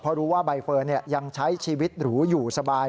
เพราะรู้ว่าใบเฟิร์นยังใช้ชีวิตหรูอยู่สบาย